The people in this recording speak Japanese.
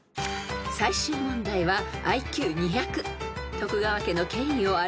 ［最終問題はＩＱ２００］